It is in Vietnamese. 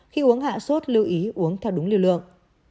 khi uống hạ sốt lưu ý uống theo đúng lưu lượng